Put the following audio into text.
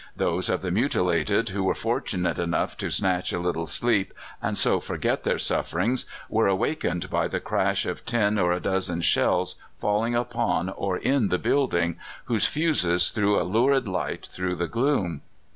Those of the mutilated who were fortunate enough to snatch a little sleep and so forget their sufferings were awakened by the crash of ten or a dozen shells falling upon or in the building, whose fuses threw a lurid light through the gloom.